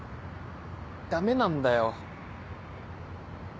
ダメなんだよ。